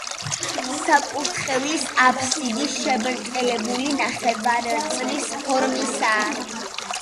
საკურთხევლის აფსიდი შებრტყელებული ნახევარწრის ფორმისაა.